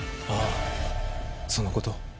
ああ、そのこと。